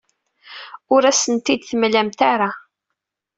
Ur asen-ten-id-temlamt ara.